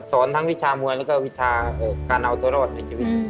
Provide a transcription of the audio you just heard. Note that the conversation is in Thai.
สอนทั้งวิชามวยแล้วก็วิชาการเอาตัวรอดในชีวิต